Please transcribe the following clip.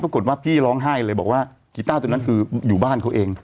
ปรากฏว่าพี่ร้องไห้เลยบอกว่ากีต้าตัวนั้นคืออยู่บ้านเขาเอง